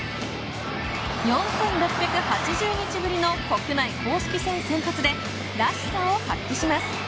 ４６８０日ぶりの国内公式戦先発でらしさを発揮します。